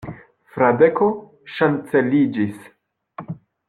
Fradeko ŝanceliĝis.